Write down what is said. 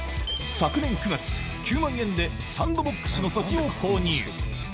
昨年９月、９万円でサンドボックスの土地を購入。